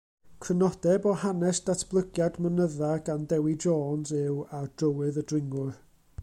Crynodeb o hanes datblygiad mynydda gan Dewi Jones yw Ar Drywydd y Dringwyr.